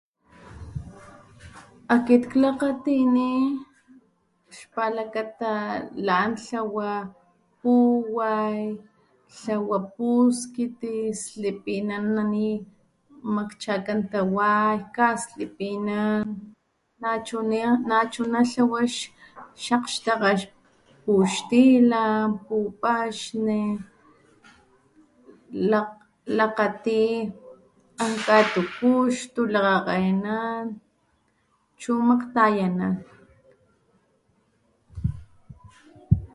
Akit klakgatini xpalakata lan tlawa puway, puskiti, slipinan ana ni makchakan taway, kaslipinan nachuna tlawa xakgxtakga puxtilan, pupaxni, lakgati an katukuxtu, lakgakgenan chu makgtayanan.